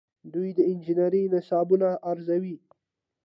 دوی د انجنیری نصابونه ارزوي.